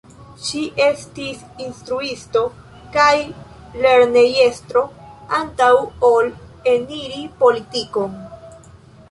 Ŝi estis instruisto kaj lernejestro antaŭ ol eniri politikon.